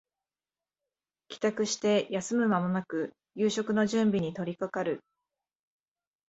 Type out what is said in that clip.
帰宅して休む間もなく夕食の準備に取りかかる